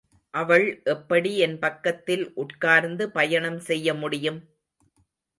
அவள் எப்படி என் பக்கத்தில் உட்கார்ந்து பயணம் செய்ய முடியும்?